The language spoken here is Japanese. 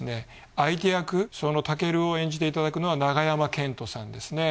相手役タケルを演じていただくのは永山絢斗さんですね。